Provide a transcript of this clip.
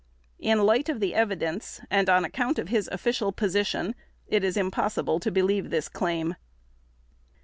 In light of the evidence and on account of his official position it is impossible to believe this claim.